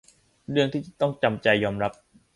มีเรื่องที่ต้องจำใจยอมรับ